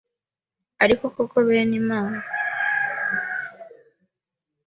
Ariko koko Benimama